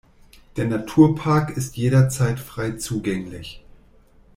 Der Naturpark ist jederzeit frei zugänglich.